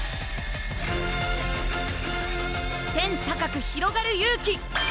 天高くひろがる勇気！